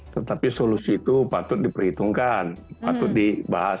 tetapi solusi itu patut diperhitungkan patut dibahas